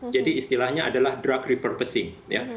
jadi istilahnya adalah drug repurposing